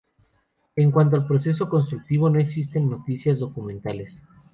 En cuanto al proceso constructivo, no existen noticias documentales.